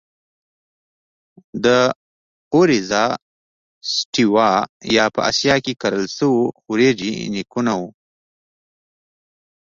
د Oryza sativa یا په اسیا کې کرل شوې وریجې نیکونه وو.